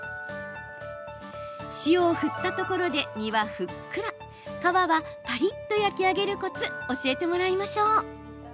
塩を振ったところで身はふっくら皮はパリッと焼き上げるコツ教えてもらいましょう。